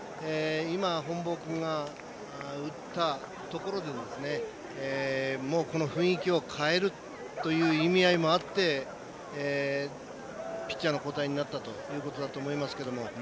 今、本坊君が打ったところで雰囲気を変えるという意味合いもあってピッチャーの交代になったということだと思いますけども。